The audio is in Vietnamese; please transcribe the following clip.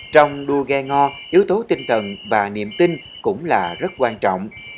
trong đua ghe ngò yếu tố tinh thần và niềm tin cũng là rất quan trọng